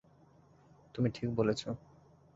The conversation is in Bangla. তুমি ঠিক বলেছ।